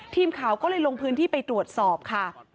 ทีมข่าวก็เลยลงพื้นที่ไปตรวจสอบค่ะ